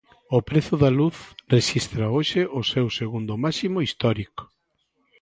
O prezo da luz rexistra hoxe o seu segundo máximo histórico.